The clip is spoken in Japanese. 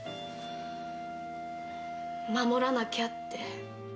守らなきゃって。